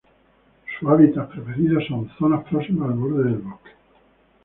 Su hábitat preferido son zonas próximas al borde del bosque.